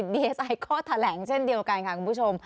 ไม่ได้ใส่ข้อแถลงเช่นเดียวกันค่ะคุณผู้ชม